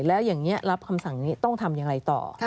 แล้วอย่างนี้รับคำสั่งนี้ต้องทำอย่างไรต่อ